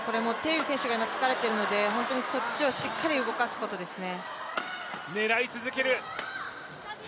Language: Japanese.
雨選手が疲れてるのでそっちをしっかり動かすことですね。